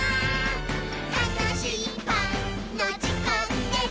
「たのしいパンのじかんです！」